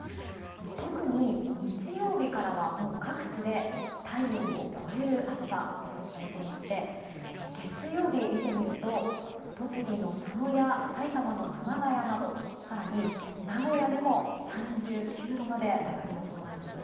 特に日曜日からは各地で体温を超える暑さが予想されていまして月曜日を見てみると栃木の佐野や埼玉の熊谷など更に、名古屋でも３９度まで上がる予想なんです。